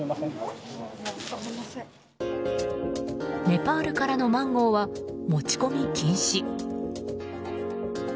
ネパールからのマンゴーは持ち込み禁止。